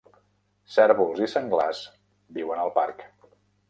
Cérvols i senglars viuen al parc.